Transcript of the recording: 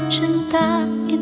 jangan lupakan lari